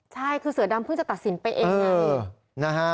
ใช่คือเสือดำเพิ่งจะตัดสินไปเองไง